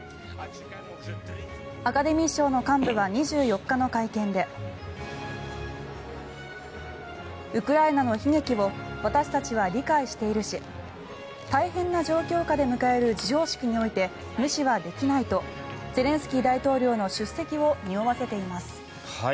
アカデミー賞の幹部は２４日の会見でウクライナの悲劇を私たちは理解しているし大変な状況下で迎える授賞式において無視はできないとゼレンスキー大統領の出席をにおわせています。